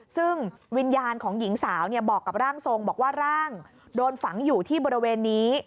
ซึ่งวิญญาณของหญิงสาวบอกกับร่างทรงบอกว่าร่างโดนฝังอยู่ที่บริเวณนี้